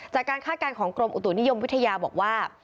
คาดการณ์ของกรมอุตุนิยมวิทยาบอกว่า